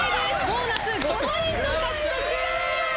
ボーナス５ポイント獲得！